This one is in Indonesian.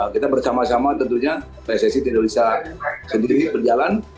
kita bersama sama tentunya pssi tidur risa sendiri berjalan